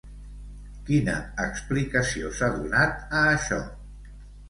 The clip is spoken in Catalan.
Quina explicació s'ha donat a això?